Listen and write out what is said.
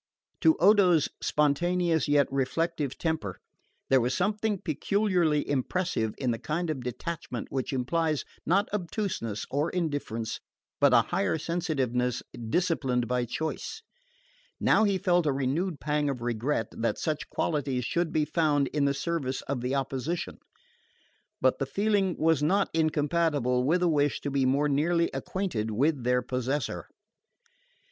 To Odo's spontaneous yet reflective temper there was something peculiarly impressive in the kind of detachment which implies, not obtuseness or indifference, but a higher sensitiveness disciplined by choice. Now he felt a renewed pang of regret that such qualities should be found in the service of the opposition; but the feeling was not incompatible with a wish to be more nearly acquainted with their possessor.